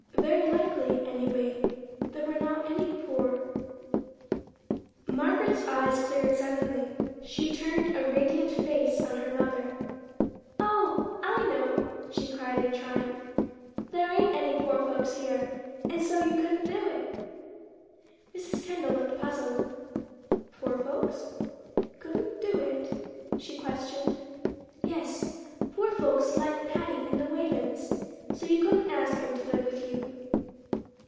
Very likely, anyway, there were not any poor Margaret's eyes cleared suddenly. She turned a radiant face on her mother. "Oh, I know," she cried in triumph. "There ain't any poor folks here, and so you couldn't do it!" Mrs. Kendall looked puzzled. "'Poor folks'? 'Couldn't do it'?" she questioned. "Yes; poor folks like Patty and the Whalens, and so you couldn't ask 'em to live with you."